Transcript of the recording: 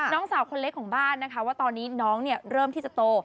น้องสาวคนเล็กของบ้านนะคะว่าตอนนี้น้องเริ่มที่จะโต